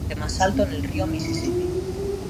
Es el puente más alto en el río Mississippi.